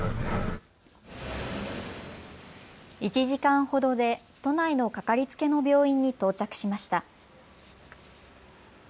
１時間ほどで都内のかかりつけの病院に到着しました。